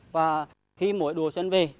và khi mỗi đồ xuân về